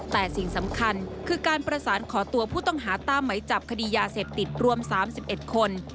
แต่สิ่งสำคัญคือการประสานขอตัวผู้ต้องหาตามไหมจับคดียาเสพติดรวม๓๑คน